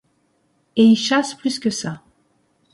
Et y chasse plus que ça.